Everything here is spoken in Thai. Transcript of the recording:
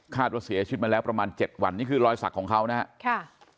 คาดว่าเสียชีวิตมาแล้วประมาณ๗วันนี่คือรอยศักดิ์ของเขานะฮะ